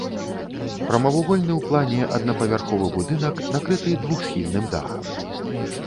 Прамавугольны ў плане аднапавярховы будынак, накрыты двухсхільным дахам.